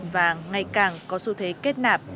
và ngày càng có xu thế kết nạp